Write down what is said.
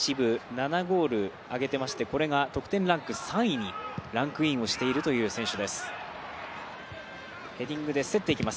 ７ゴールあげていましてこれが得点ランク３位にランクインしているという選手。